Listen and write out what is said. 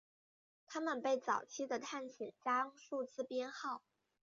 他们被早期的探险家用数字编号。